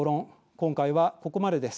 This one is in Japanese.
今回はここまでです。